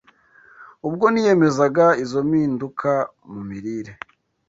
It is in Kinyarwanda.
Ubwo niyemezaga izo mpinduka mu mirire,